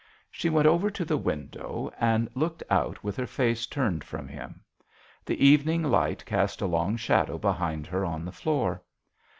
She went over to the window and looked out with her face turned from him. The evening light cast a long shadow behind her on the floor.